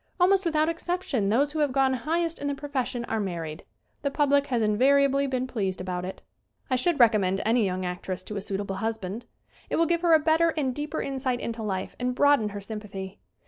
Almost without exception those who have gone highest in the profession are married. The public has invariably been pleased about it. I should recommend any young actress to a suitable husband. It will give her a better and deeper insight into life and broaden her sym pathy.